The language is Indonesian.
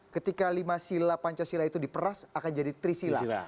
ketika lima sila pancasila itu diperas akan jadi trisila